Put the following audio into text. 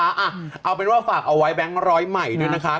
เอาเป็นว่าฝากเอาไว้แบงค์ร้อยใหม่ด้วยนะคะ